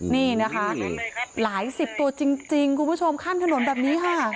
นี่นะคะหลายสิบตัวจริงคุณผู้ชมข้ามถนนแบบนี้ค่ะ